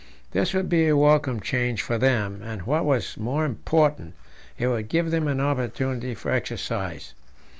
This would be a welcome change for them, and, what was more important, it would give them an opportunity for exercise.